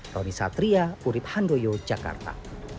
roni satria urib handoyo jakarta